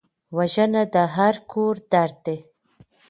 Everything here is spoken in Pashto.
وژنه د هر کور درد دی